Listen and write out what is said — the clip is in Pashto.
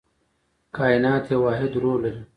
کائنات یو واحد روح لري.